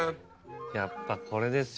やっぱこれですよ。